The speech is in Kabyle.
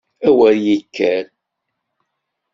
A wer ikker!